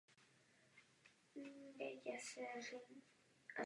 Kromě toho realizuje také některé vlastní aktivity.